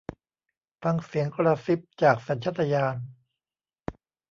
ฟังเสียงกระซิบจากสัญชาตญาณ